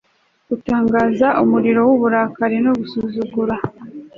Gutangaza umuriro wuburakari no gusuzugura